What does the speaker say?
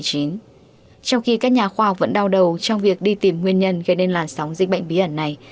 trong khi các nhà khoa học vẫn đau đầu trong việc đi tìm nguyên nhân gây nên làn sóng dịch bệnh bí ẩn này